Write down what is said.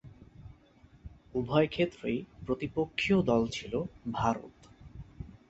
উভয়ে ক্ষেত্রেই প্রতিপক্ষীয় দল ছিল ভারত।